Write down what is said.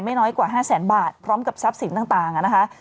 น้อยกว่า๕แสนบาทพร้อมกับทรัพย์สินต่างนะคะ